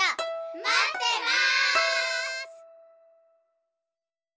まってます！